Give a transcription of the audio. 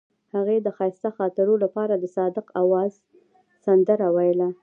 هغې د ښایسته خاطرو لپاره د صادق اواز سندره ویله.